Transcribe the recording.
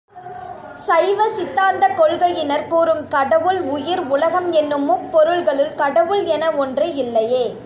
சைவ சித்தாந்தக் கொள்கையினர் கூறும் கடவுள், உயிர், உலகம் என்னும் முப்பொருள்களுள் கடவுள் என ஒன்று இல்லையே!